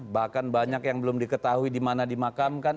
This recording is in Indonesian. bahkan banyak yang belum diketahui di mana dimakamkan